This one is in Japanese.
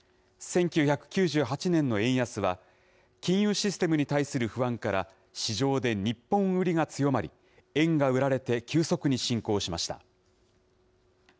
１９９８年の円安は、金融システムに対する不安から市場で日本売りが強まり、円が売られて、急速に進行しました。